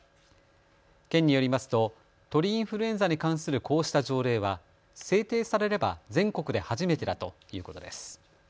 県によりますと鳥インフルエンザに関するこうした条例は制定されれば全国で初めてだということです。